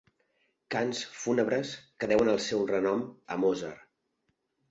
Cants fúnebres que deuen el seu renom a Mozart.